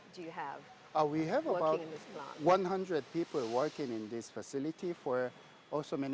kita memiliki sekitar seratus orang yang bekerja di dalam fasilitas ini